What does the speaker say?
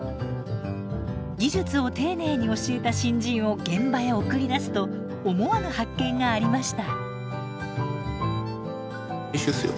技術を丁寧に教えた新人を現場へ送り出すと思わぬ発見がありました。